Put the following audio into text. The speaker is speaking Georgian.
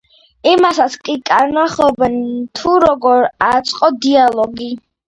იმასაც კი გკარნახობენ, თუ როგორ ააწყო დიალოგი.